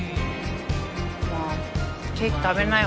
まあケーキ食べなよ。